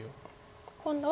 今度は。